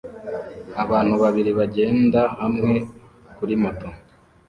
Abantu babiri bagenda hamwe kuri moto